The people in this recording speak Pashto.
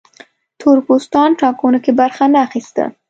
تور پوستان ټاکنو کې برخه نه اخیسته.